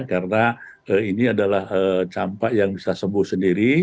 karena ini adalah campak yang bisa sembuh sendiri